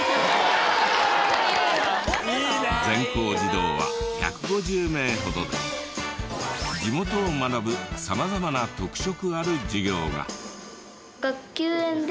全校児童は１５０名ほどで地元を学ぶ様々な特色ある授業が。